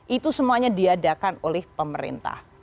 itu semuanya diadakan oleh pemerintah